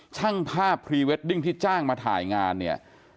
ช่างภาพพรีเวดดิ้งที่จ้างมาถ่ายงานเนี่ย